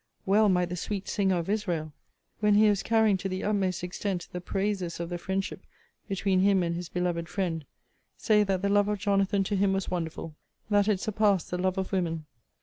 Well might the sweet singer of Israel, when he was carrying to the utmost extent the praises of the friendship between him and his beloved friend, say, that the love of Jonathan to him was wonderful; that it surpassed the love of women!